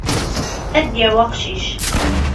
Ad d-yawi aqcic.